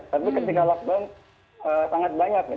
tapi ketika lockdown sangat banyak ya